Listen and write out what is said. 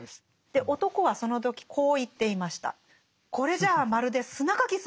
で男はその時こう言っていました。